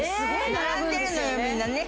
並んでるのよみんなね。